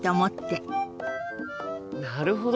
なるほど！